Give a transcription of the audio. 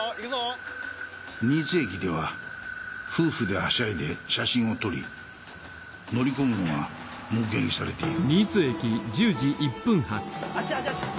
新津駅では夫婦ではしゃいで写真を撮り乗り込むのが目撃されている。